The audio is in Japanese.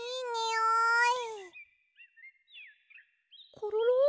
コロロ！